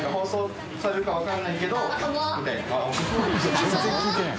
全然聞いてない。